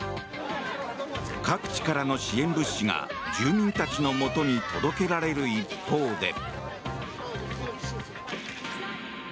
各地からの支援物資が住民たちのもとに届けられる一方で。